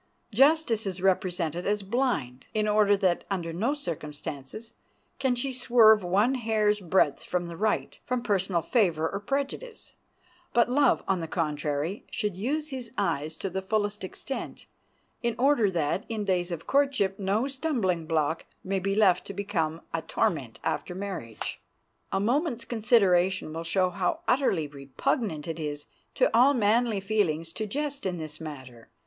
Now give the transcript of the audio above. Justice is represented as blind, in order that, under no circumstances, can she swerve one hair's breadth from the right, from personal favor or prejudice; but Love, on the contrary, should use his eyes to the fullest extent, in order that, in days of courtship, no stumbling block may be left to become a torment after marriage. A moment's consideration will show how utterly repugnant it is to all manly feelings to jest in this matter.